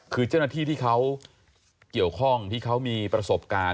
คือเจ้าหน้าที่ที่เขาเกี่ยวข้องที่เขามีประสบการณ์